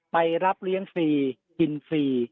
ไปรับเลี้ยงฟรีกินฟรี